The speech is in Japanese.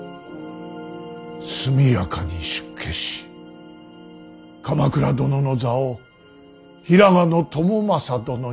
速やかに出家し鎌倉殿の座を平賀朝雅殿に譲る。